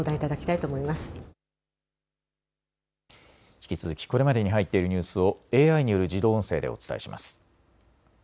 引き続きこれまでに入っているニュースをＡＩによる自動音声でお伝えします。